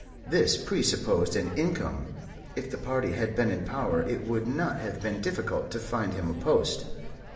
This presupposed an income. If the party had been in power it would not have been difficult to find him a post.